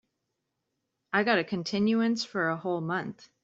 I got a continuance for a whole month.